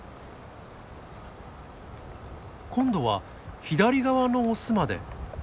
今度は左側のオスまで。